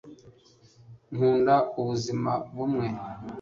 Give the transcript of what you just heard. nkunda ubuzima bumwe